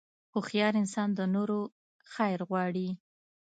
هوښیار انسان د نورو خیر غواړي.